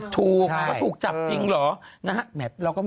ถูกถูกจับจริงเหรอ